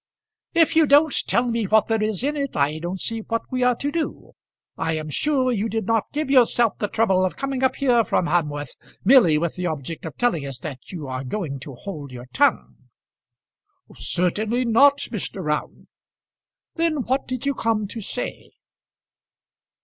"If you don't tell me what there is in it, I don't see what we are to do. I am sure you did not give yourself the trouble of coming up here from Hamworth merely with the object of telling us that you are going to hold your tongue." "Certainly not, Mr. Round." "Then what did you come to say?"